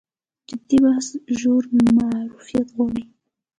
جدي بحث ژور معرفت غواړي.